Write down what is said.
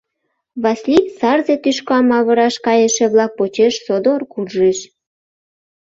Васлий сарзе тӱшкам авыраш кайыше-влак почеш содор куржеш.